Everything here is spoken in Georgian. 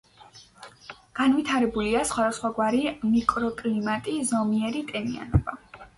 განვითარებულია სხვადასხვაგვარი მიკროკლიმატი, ზომიერი ტენიანობა.